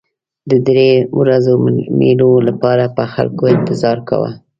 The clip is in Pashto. د دې درې ورځو مېلو لپاره به خلکو انتظار کاوه.